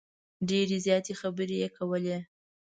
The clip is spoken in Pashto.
ډیرې زیاتې خبرې یې کولې.